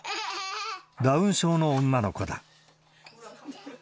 ダウン症の女の子だ。